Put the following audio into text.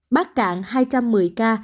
bắc cạn hai một mươi ca